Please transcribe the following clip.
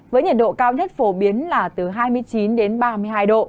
với nhiệt độ cao nhất phổ biến là từ hai mươi chín đến ba mươi hai độ